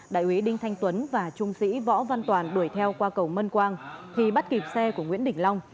đại úy đinh thanh tuấn và trung sĩ võ văn toàn đuổi theo qua cầu mân quang thì bắt kịp xe của nguyễn đình long